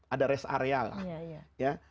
ada res area lah